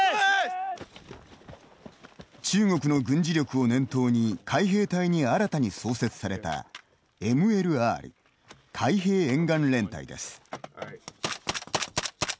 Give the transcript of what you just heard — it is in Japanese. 中国の軍事力を念頭に海兵隊に新たに創設されたＭＬＲ＝海兵沿岸連隊です。